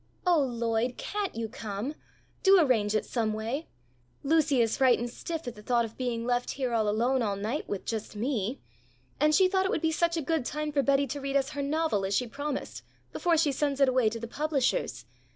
"Oh Lloyd, can't you come? Do arrange it some way. Lucy is frightened stiff at the thought of being left here alone all night with just me. And she thought it would be such a good time for Betty to read us her novel, as she promised, before she sends it away to the publishers.